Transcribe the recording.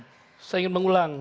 menarik dari ini